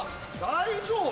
大丈夫？